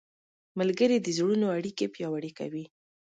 ملګري د زړونو اړیکې پیاوړې کوي.